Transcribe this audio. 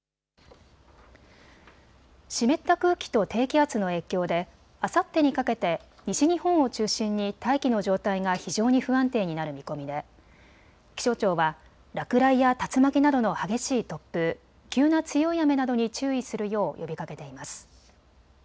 湿った空気と低気圧の影響であさってにかけて西日本を中心に大気の状態が非常に不安定になる見込みで気象庁は落雷や竜巻などの激しい突風、急な強い雨などに注意するよう呼びかけています。